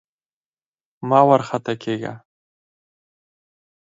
مه وارخطا کېږه!